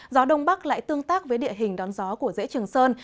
gió đông bắc lại tương tác với địa hình đón gió của dễ trường sơn